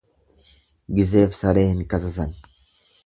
Gizeef saree hin kasasan.